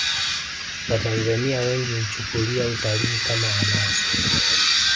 watanzania wengi huchukulia utalii kama anasa